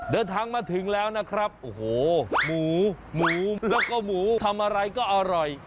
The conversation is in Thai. เดินทางมาถึงแล้วนะครับโอ้โหหมูหมูแล้วก็หมูทำอะไรก็อร่อย